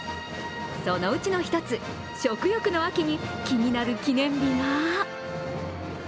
そのうちの１つ、食欲の秋に気になる記念日が。